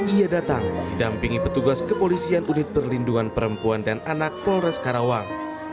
ia datang didampingi petugas kepolisian unit perlindungan perempuan dan anak polres karawang